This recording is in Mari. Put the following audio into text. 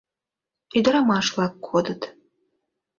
Ӱдырамаш-влак кодыт.